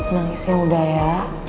nangisnya udah ya